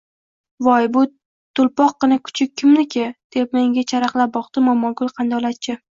– Voy! Bu to‘lpoqqina kuchuk kimniki? – deb, menga charaqlab boqdi Momogul qandolatchi